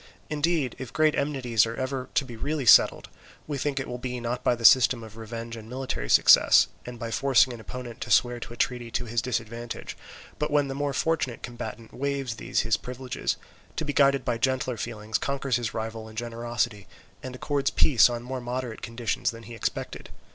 Indeed if great enmities are ever to be really settled, we think it will be, not by the system of revenge and military success, and by forcing an opponent to swear to a treaty to his disadvantage, but when the more fortunate combatant waives these his privileges, to be guided by gentler feelings conquers his rival in generosity, and accords peace on more moderate conditions than he expected.